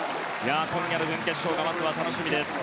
今夜の準決勝が楽しみです。